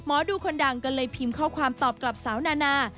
หมอดูคนนางก็เลยพิมพ์ความตอบกับสาวนานะ